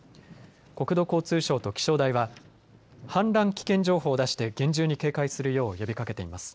国土交通省と気象台は氾濫危険情報を出して厳重に警戒するよう呼びかけています。